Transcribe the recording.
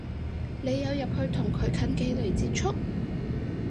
你有入去同佢近距離接觸？